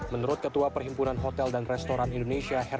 menurut ketua perhimpunan hotel dan restoran indonesia